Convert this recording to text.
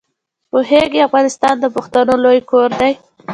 پوهېږې افغانستان د پښتنو لوی کور دی.